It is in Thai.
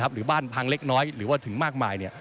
หรือบ้านพังเล็กน้อยหรือว่าถึงมากมาย